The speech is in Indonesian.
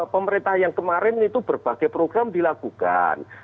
pemerintah yang kemarin itu berbagai program dilakukan